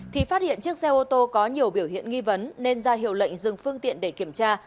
thì phát hiện chiếc xe ô tô có nhiều biểu hiện nghi vấn nên ra hiệu lệnh dừng phương tiện để kiểm tra